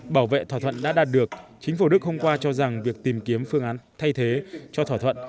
bảo vệ thỏa thuận đã đạt được chính phủ đức hôm qua cho rằng việc tìm kiếm phương án thay thế cho thỏa thuận